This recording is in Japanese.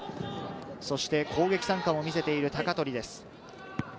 そして攻撃参加も見せている鷹取です。